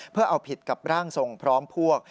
เพื่อเอาผิดกับร่างทรงพร้อมพวก